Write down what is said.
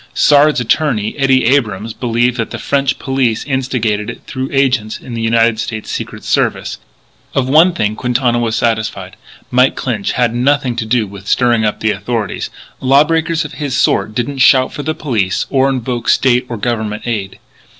Sard's attorney, Eddie Abrams, believed that the French police instigated it through agents of the United States Secret Service. Of one thing Quintana was satisfied, Mike Clinch had nothing to do with stirring up the authorities. Law breakers of his sort don't shout for the police or invoke State or Government aid.